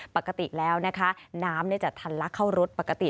ปกติแล้วนะคะน้ำจะทันลักเข้ารถปกติ